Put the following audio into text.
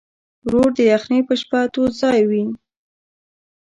ورور د یخنۍ په شپه تود ځای وي.